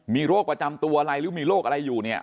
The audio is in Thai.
มีโรคประจำตัวอะไรหรือมีโรคอะไรอยู่เนี่ย